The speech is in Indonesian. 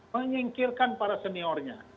menyingkirkan para seniornya